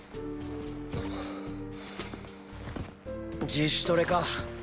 自主トレか。